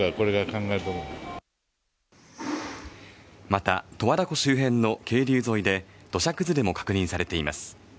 また十和田湖周辺の渓流沿いで土砂崩れも確認されています